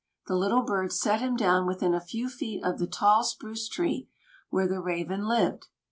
The Little Birds set him down within a few feet of the tall spruce tree where the Raven lived.